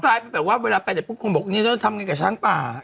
ตายไปแบบว่าเวลาไปเดี๋ยวปุ๊บคงบอกอันนี้เราจะทำยังไงกับช้างป่า